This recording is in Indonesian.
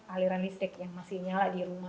aliran listrik yang masih nyala di rumah